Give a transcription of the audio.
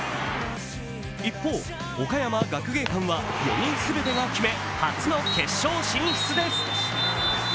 一方、岡山学芸館は４人全てが決め、初の決勝進出です。